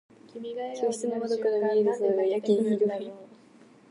教室の窓から見える空がやけに広い。